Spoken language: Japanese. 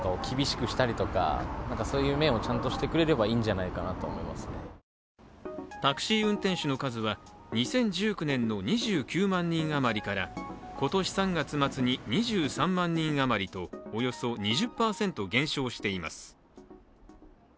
ただ、利用者からは懸念の声もタクシー運転手の数は２０１９年の２９万人余りから今年３月末に２３万人余りと、およそ２０％減少しています。